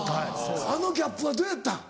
あのギャップはどうやったん？